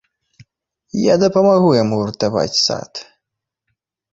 Я дапамагу яму вартаваць сад.